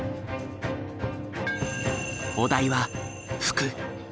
お題は「服」。